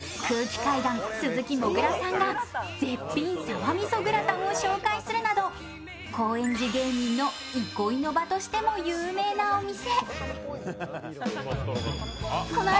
先日の「ラヴィット！」では空気階段・鈴木もぐらさんが絶品サバみそグラタンを紹介するなど、高円寺芸人の憩いの場としても有名なお店。